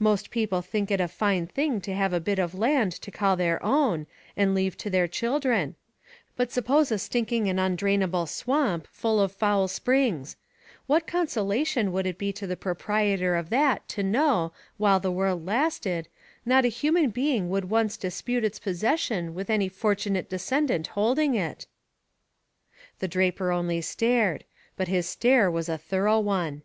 Most people think it a fine thing to have a bit of land to call their own and leave to their children; but suppose a stinking and undrainable swamp, full of foul springs what consolation would it be to the proprietor of that to know, while the world lasted, not a human being would once dispute its possession with any fortunate descendant holding it?" The draper only stared, but his stare was a thorough one.